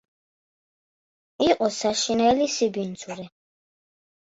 იყო საშინელი სიბინძურე.